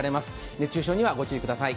熱中症にはご注意ください。